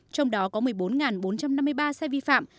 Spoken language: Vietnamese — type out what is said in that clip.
trong đó có một mươi bốn bốn trăm năm mươi ba xe vi phạm